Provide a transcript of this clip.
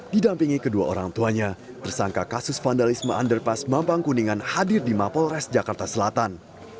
didampingi kedua orang tuanya tersangka kasus vandalisme underpas mampang kuningan hadir di mapolres jakarta selatan